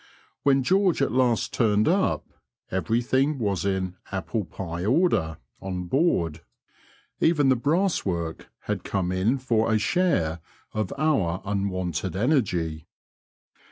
When George at last turned up, everything was in apple pie order '* on board ; even the brasswork had come in for a share of our unwonted energy.